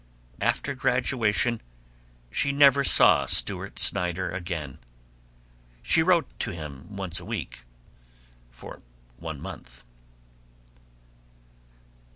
After graduation she never saw Stewart Snyder again. She wrote to him once a week for one month.